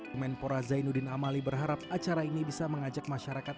kemenpora zainuddin amali berharap acara ini bisa mengajak masyarakat